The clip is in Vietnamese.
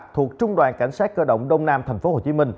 thuộc trung đoàn cảnh sát cơ động đông nam tp hcm